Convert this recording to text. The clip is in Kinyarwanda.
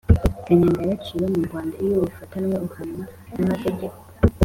kanyanga yaraciwe mu rwanda iyo uyifatanywe uhanwa namategeko